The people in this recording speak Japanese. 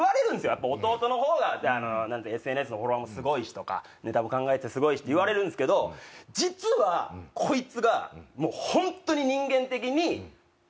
やっぱ弟のほうがＳＮＳのフォロワーもすごいしとかネタも考えてすごいしって言われるんですけど実はコイツがホントに。